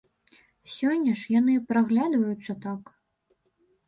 Сёння ж яны праглядваюцца так.